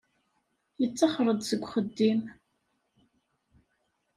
Yettaxer-d seg uxeddim.